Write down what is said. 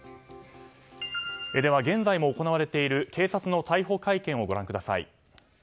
では、現在も行われている警察の逮捕会見をご覧ください。